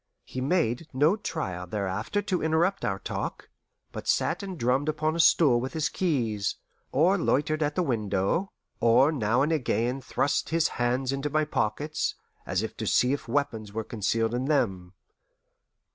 He made no trial thereafter to interrupt our talk, but sat and drummed upon a stool with his keys, or loitered at the window, or now and again thrust his hand into my pockets, as if to see if weapons were concealed in them.